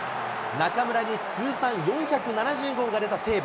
中村に通算４７５が出た西武。